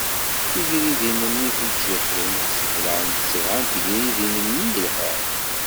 Tigedrin-nni tujjixin sbelɛent sebɛa n tgedrin-nni yelhan.